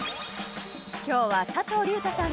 今日は佐藤隆太さんが